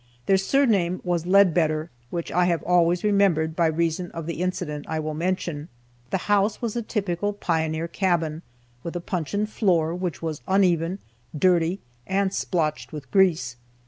Their surname was Leadbetter, which I have always remembered by reason of the incident I will mention. The house was a typical pioneer cabin, with a puncheon floor, which was uneven, dirty, and splotched with grease.